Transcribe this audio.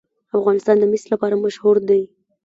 افغانستان د مس لپاره مشهور دی.